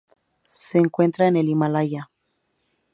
Se encuentra en el Himalaya.